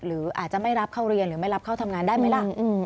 หรืออาจจะไม่รับเข้าเรียนหรือไม่รับเข้าทำงานได้ไหมล่ะ